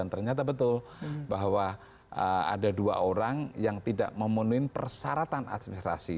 ternyata betul bahwa ada dua orang yang tidak memenuhi persyaratan administrasi